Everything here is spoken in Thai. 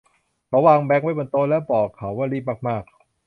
เขาวางแบงค์ไว้บนโต๊ะแล้วบอกว่าเขารีบมากมาก